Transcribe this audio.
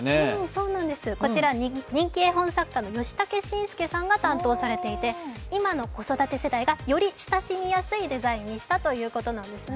こちら、人気絵本作家のヨシタケシンスケさんが担当されていて、今の子育て世代がより親しみやすいデザインにしたということです。